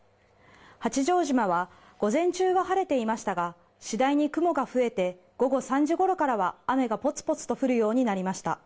八丈島は午前中は晴れていましたが次第に雲が増えて午後３時ごろからは雨がぽつぽつと降るようになりました。